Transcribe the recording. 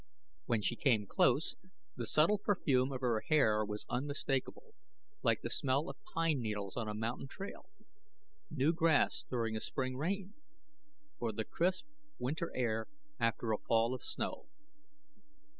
When she came close, the subtle perfume of her hair was unmistakable like the smell of pine needles on a mountain trail; new grass during a spring rain; or the crisp, winter air after a fall of snow.